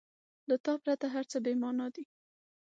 • له تا پرته هر څه بېمانا دي.